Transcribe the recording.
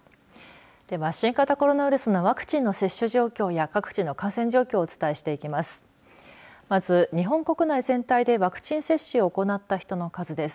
では、新型コロナウイルスのワクチンの接種状況や各地の感染状況をお伝えしていきます。